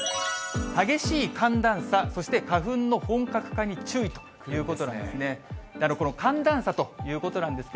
激しい寒暖差、そして花粉の本格化に注意ということなんですね。